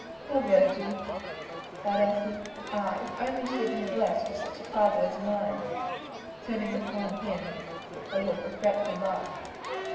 "Poor Virgie!" sighed Elsie. "Ah! if only she had been blest with such a father as mine!" turning upon him a look of grateful love.